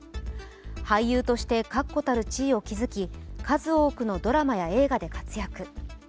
俳優として確固たる地位を築き、数多くのドラマや映画で活躍。